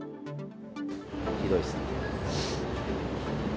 ひどいですね。